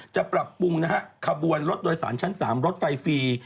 จะปรับปรุงนะฮะขบวนรถโดยสารชั้น๓รถไฟฟรี